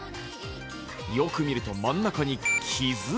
よく見ると真ん中に傷？